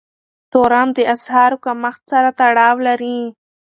تورم د اسعارو کمښت سره تړاو لري.